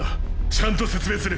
ちゃんと説明する。